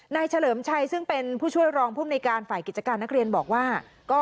เฉลิมชัยซึ่งเป็นผู้ช่วยรองภูมิในการฝ่ายกิจการนักเรียนบอกว่า